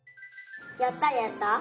やったやった？